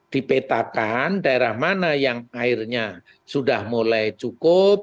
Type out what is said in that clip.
dipetakan daerah mana yang airnya sudah mulai cukup